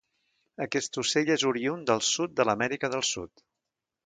Aquest ocell és oriünd del sud de l'Amèrica del Sud.